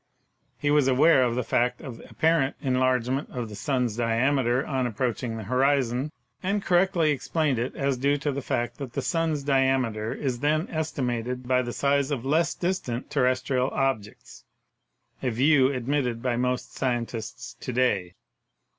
He was aware of the fact of the apparent en largement of the sun's diameter on approaching the hori zon, and correctly explained it as due to the fact that the sun's diameter is then estimated by the size of less distant terrestrial objects, a view admitted by most sci entists to day.